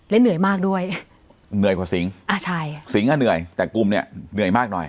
และเหนื่อยมากด้วยเหนื่อยกว่าสิงอ่าใช่สิงอ่ะเหนื่อยแต่กลุ่มเนี่ยเหนื่อยมากหน่อย